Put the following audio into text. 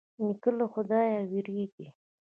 نیکه له خدايه وېرېږي.